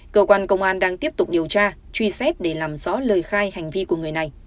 cơ quan công an đang tiếp tục điều tra truy xét để làm rõ lời khai hành vi của người này